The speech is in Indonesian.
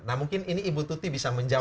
nah mungkin ini ibu tuti bisa menjawab